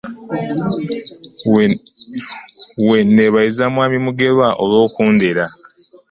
We nneebaliza mwami Mugerwa olw'okundera.